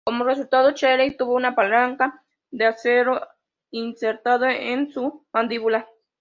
Como resultado; Shelley tuvo una placa de acero insertado en su mandíbula.